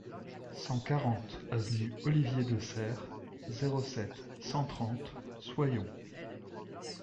cent quarante avenue Olivier de Serres, zéro sept, cent trente, Soyons